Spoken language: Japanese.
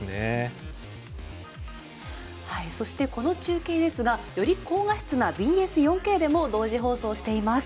この中継ですがより高画質なＢＳ４Ｋでも同時放送しています。